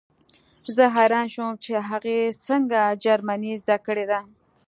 زه حیران شوم چې هغې څنګه جرمني زده کړې ده